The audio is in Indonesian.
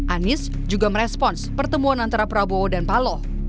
anies juga merespons pertemuan antara prabowo dan paloh